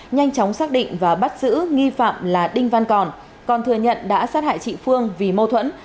nhanh chóng xác định và bắt giữ nghi phạm là đinh văn còn còn thừa nhận đã sát hại chị phương vì mâu thuẫn